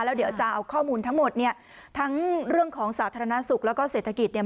แล้วเดี๋ยวจะเอาข้อมูลทั้งหมดเนี่ยทั้งเรื่องของสาธารณสุขแล้วก็เศรษฐกิจเนี่ย